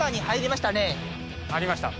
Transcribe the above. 入りました。